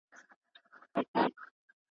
هنري فعالیتونه استعداد پیاوړی کوي